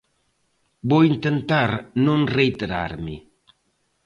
Vou intentar non reiterarme.